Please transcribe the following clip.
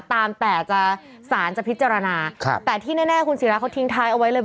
ตามแต่จะสารจะพิจารณาครับแต่ที่แน่คุณศิราเขาทิ้งท้ายเอาไว้เลย